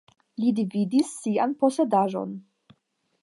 Li dividis sian posedaĵon.